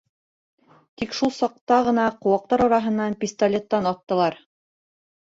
Тик шул саҡта ғына ҡыуаҡтар араһынан пистолеттан аттылар.